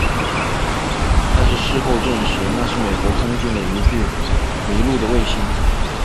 但是事后证实那是美国空军的一具迷路的卫星。